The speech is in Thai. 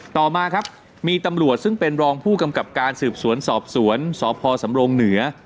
ต่อมาครับมีตำรวจซึ่งเป็นรองผู้กำกับการสืบสวนสอบสวนสพสำรงเหนือ